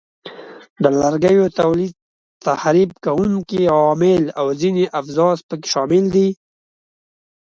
د لرګیو تولید، تخریب کوونکي عوامل او ځینې افزار پکې شامل دي.